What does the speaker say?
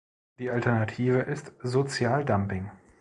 Die Alternative ist Sozialdumping.